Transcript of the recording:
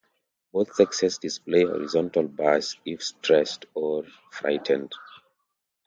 Both sexes display horizontal bars if stressed or frightened.